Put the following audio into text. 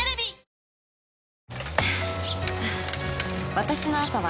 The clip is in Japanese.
私の朝は